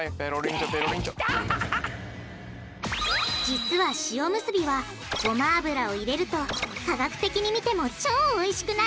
実は塩むすびはごま油を入れると科学的に見ても超おいしくなるんだ！